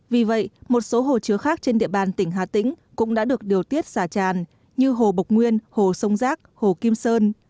vì vậy một số hồ chứa khác trên địa bàn tỉnh hà tĩnh cũng đã được điều tiết xả tràn như hồ bộc nguyên hồ sông giác hồ kim sơn